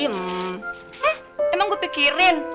hah emang gue pikirin